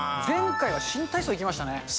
前回は新体操行きましたね。